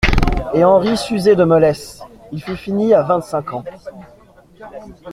Et Henri s'usait de mollesse ; il fut fini à vingt-cinq ans.